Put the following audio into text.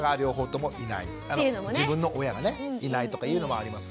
自分の親がいないとかいうのもあります。